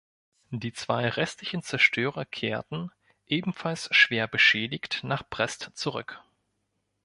Die zwei restlichen Zerstörer kehrten, ebenfalls schwer beschädigt, nach Brest zurück.